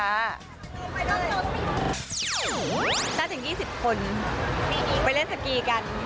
น่าจะถึง๒๐คนไปเล่นสกีกัน